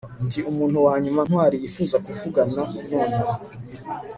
ndi umuntu wanyuma ntwali yifuza kuvugana nonaha